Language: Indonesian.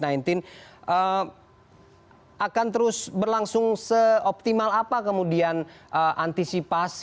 kalau kita lihat karena sekarang memang retrouve liber elle trans university itu tidak dapat lakukan antich